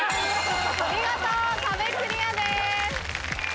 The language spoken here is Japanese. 見事壁クリアです！